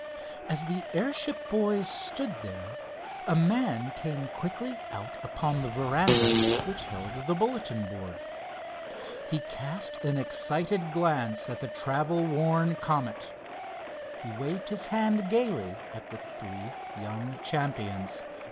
As the airship boys stood there, a man came quickly out upon the veranda which held the bulletin board. He cast an excited glance at the travel worn Comet. He waved his hand gaily at the three young champions.